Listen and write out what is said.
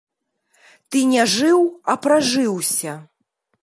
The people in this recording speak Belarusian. Ты не жыў, а пражыўся.